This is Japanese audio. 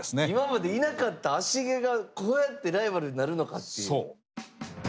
今までいなかった芦毛がこうやってライバルになるのかっていう。